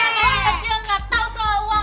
heeeh ngak tau soal uang